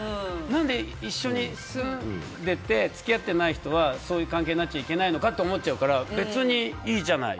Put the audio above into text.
何で一緒に住んでて付き合ってない人はそういう関係になっちゃいけないのかって思っちゃうから別にいいじゃない。